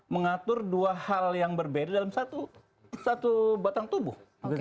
mengatur dua hal yang berbeda dalam satu batang tubuh